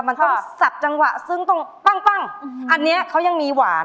มันต้องสับจังหวะซึ่งต้องปั้งปั้งอันเนี้ยเขายังมีหวาน